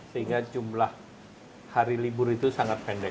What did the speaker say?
sehingga jumlah hari libur itu sangat pendek